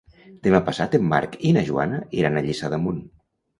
Demà passat en Marc i na Joana iran a Lliçà d'Amunt.